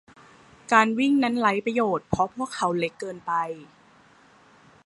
การวิ่งนั้นไร้ประโยชน์เพราะพวกเขาเล็กเกินไป